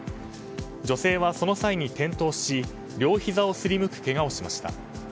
女性はその際に転倒し両ひざをすりむくけがをしました。